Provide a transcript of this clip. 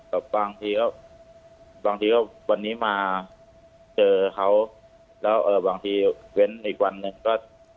บางทีก็บางทีก็วันนี้มาเจอเขาแล้วบางทีเว้นอีกวันหนึ่งก็